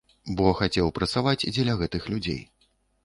Бо хацеў працаваць дзеля гэтых людзей.